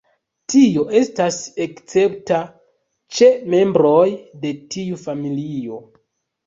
Tio estas escepta ĉe membroj de tiu familio.